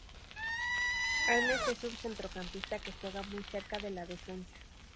Ernst es un centrocampista que juega muy cerca de la defensa.